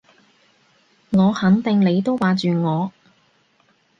我肯定你都掛住我